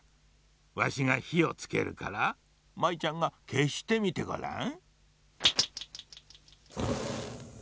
わしがひをつけるから舞ちゃんがけしてみてごらん。